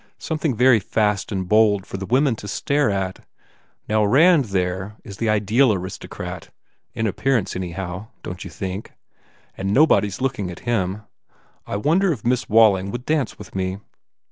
Something very fast and bold for the women to stare at. Now Rand, there, is the ideal aristocrat in appear ance, anyhow, don t you think? And nobody s looking at him. I wonder if Miss Walling would dance with me?"